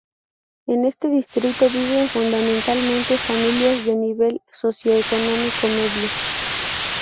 En este distrito viven fundamentalmente familias de nivel socioeconómico medio.